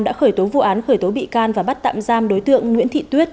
đã khởi tố vụ án khởi tố bị can và bắt tạm giam đối tượng nguyễn thị tuyết